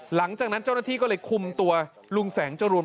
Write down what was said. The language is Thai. หลังจากนั้นเจ้าหน้าที่ก็เลยคุมตัวลุงแสงจรูน